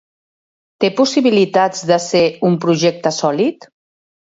Té possibilitats de ser un projecte sòlid?